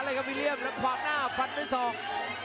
แล้วก็วิลัมแล้วขวางหน้าฟันด้วยศอก